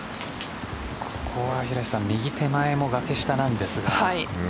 ここは右手前もがけ下なんですが。